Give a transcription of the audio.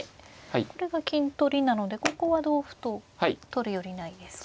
これが金取りなのでここは同歩と取るよりないですか。